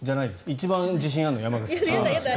一番自信があるのが山口さん。